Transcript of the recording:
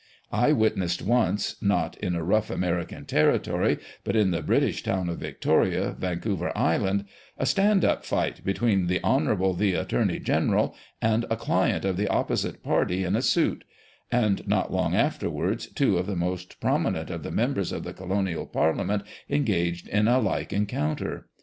I witnessed once — not in a rough American territory — but in the British town of Victoria, Vancouver Island — a " stand up" fight between the " Honourable the Attorney General" and a client of the opposite party in a suit ; and not long afterwards two of the most prominent of the members of the colonial parliament engaged in a like encounter.